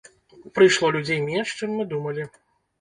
Прыйшло людзей менш, чым мы думалі.